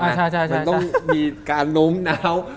มันต้องมีการล้มน้าว